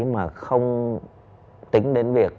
mà không tính đến việc